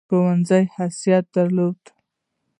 ښوونځي حیثیت درلود.